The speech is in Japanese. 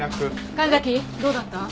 神崎どうだった？